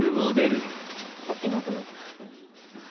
あっいなくなってる。